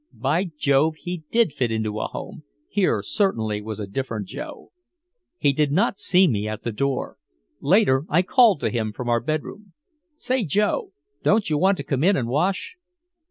By Jove, he did fit into a home, here certainly was a different Joe. He did not see me at the door. Later I called to him from our bedroom: "Say, Joe. Don't you want to come in and wash?"